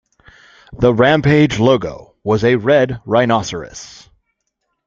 The Rampage's logo was a red rhinoceros.